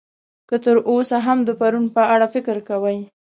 که تر اوسه هم د پرون په اړه فکر کوئ.